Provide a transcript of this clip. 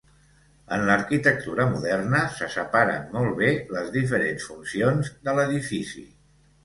En l'arquitectura moderna se separen molt bé les diferents funcions de l'edifici.